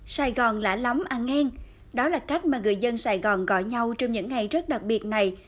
sài gòn lã lóng ăn đó là cách mà người dân sài gòn gọi nhau trong những ngày rất đặc biệt này